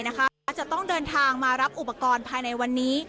อาจจะต้องเดินทางมารับอุปกรณ์ภายในวันนี้